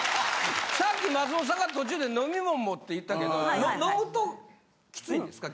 さっき松本さんが途中で「飲み物も」って言ったけど飲むとキツいんですか？